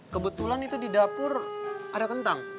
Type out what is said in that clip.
kebetulan itu di dapur ada kentang